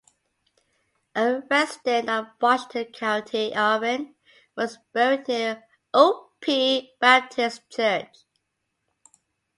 A resident of Washington County, Irwin was buried near Ohoopee Baptist Church.